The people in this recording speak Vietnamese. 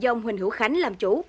ông huỳnh hữu khánh làm chủ